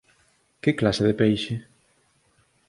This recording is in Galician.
Que clase de peixe?